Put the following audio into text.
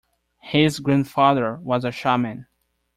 His grandfather was a shaman.